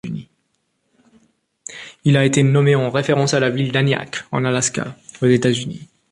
Il a été nommé en référence à la ville d'Aniak en Alaska, aux États-Unis.